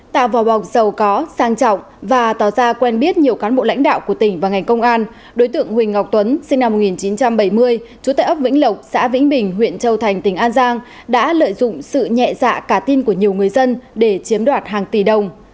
tạo vỏ bọc giàu có sang trọng và tỏ ra quen biết nhiều cán bộ lãnh đạo của tỉnh và ngành công an đối tượng huỳnh ngọc tuấn sinh năm một nghìn chín trăm bảy mươi chú tại ấp vĩnh lộc xã vĩnh bình huyện châu thành tỉnh an giang đã lợi dụng sự nhẹ dạ cả tin của nhiều người dân để chiếm đoạt hàng tỷ đồng